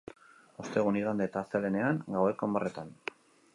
Ostegun, igande eta astelehenean, gaueko hamarretan.